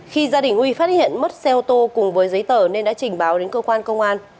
khi gia đình huy phát hiện mất xe ô tô cùng với giấy tờ nên đã trình báo đến cơ quan công an